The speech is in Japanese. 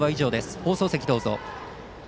放送席、どうぞ。